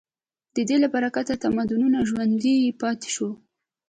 د دې له برکته تمدنونه ژوندي پاتې شوي.